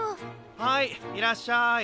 はいいらっしゃい！